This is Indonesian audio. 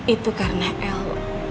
itu karena el